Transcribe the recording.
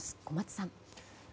小松さん。